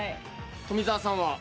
富澤さんは？